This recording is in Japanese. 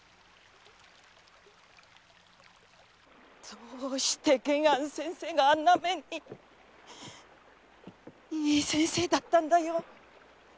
どうして玄庵先生があんな目に⁉いい先生だったんだよ。